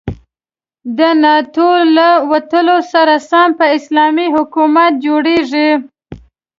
د ناتو له وتلو سره سم به اسلامي حکومت جوړيږي.